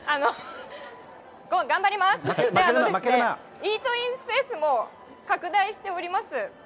イートインスペースも拡大しております。